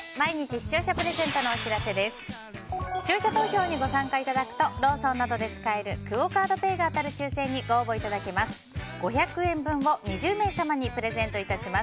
視聴者投票にご参加いただくとローソンなどで使えるクオ・カードペイが当たる抽選にご応募いただけます。